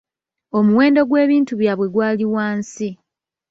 Omuwendo gw'ebintu byabwe gwali wansi.